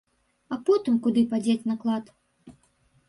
А потым куды падзець наклад?